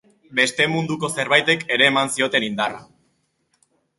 Beste Munduko zenbaitek ere eman zioten indarra.